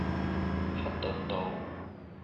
克頓道